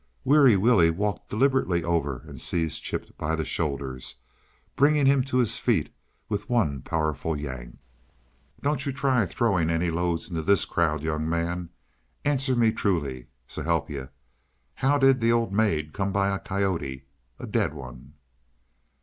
Weary Willie walked deliberately over and seized Chip by the shoulders, bringing him to his feet with one powerful yank. "Don't you try throwing any loads into THIS crowd, young man. Answer me truly s'help yuh. How did that old maid come by a coyote a dead one?"